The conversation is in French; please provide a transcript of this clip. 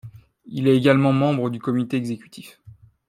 Il est également membre du comité exécutif.